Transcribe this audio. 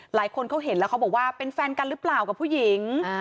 หลายคนเขาเห็นแล้วเขาบอกว่าเป็นแฟนกันหรือเปล่ากับผู้หญิง